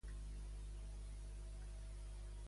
Depèn de la història, on podia haver nascut?